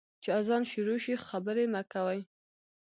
چي اذان شروع سي، خبري مه کوئ.